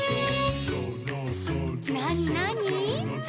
「なになに？」